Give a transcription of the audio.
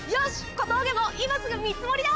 小峠も今すぐ見積りだ！